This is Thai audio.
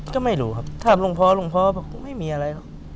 ก็ไม่รู้ครับถามหลวงพ่อหลวงพ่อบอกไม่มีอะไรหรอก